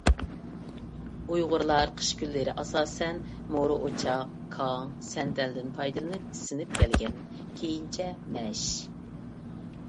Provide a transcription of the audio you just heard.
ئۇيغۇرلار قىش كۈنلىرى ئاساسەن مورا ئوچاق، كاڭ، سەندەلدىن پايدىلىنىپ ئىسسىنىپ كەلگەن، كېيىنچە مەش.